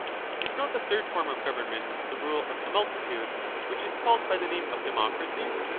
Is not the third form of government the rule of the ^^^J^* multitude, which is called by the name of democracy?